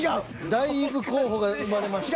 だいぶ候補が生まれました。